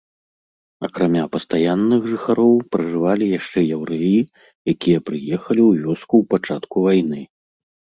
Акрамя пастаянных жыхароў, пражывалі яшчэ яўрэі, якія прыехалі ў вёску ў пачатку вайны.